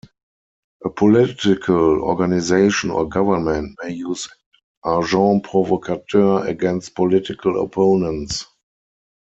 A political organization or government may use agents provocateurs against political opponents.